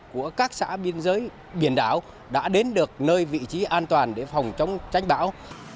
của các xã biên giới biển đảo đã đến được nơi vị trí an toàn để phòng chống tránh bão